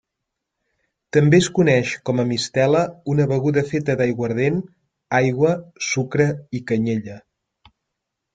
També es coneix com a mistela una beguda feta d'aiguardent, aigua, sucre i canyella.